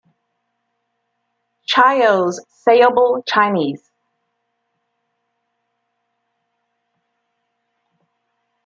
Chao's "Sayable Chinese".